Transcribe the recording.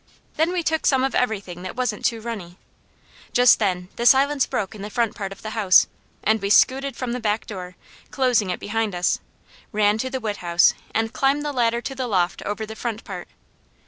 Then we took some of everything that wasn't too runny. Just then the silence broke in the front part of the house, and we scooted from the back door, closing it behind us, ran to the wood house and climbed the ladder to the loft over the front part.